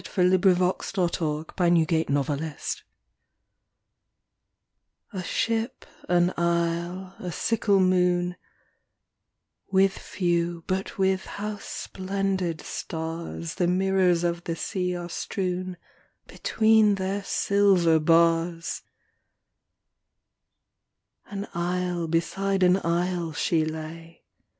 174 A Ship^ an Isle, a Sickle Moon A ship, an isle, a sickle moon — With few but with how splendid stars The mirrors of the sea are strewn Between their silver bars ! An isle beside an isle she lay.